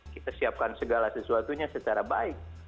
kita siapkan segala sesuatunya secara baik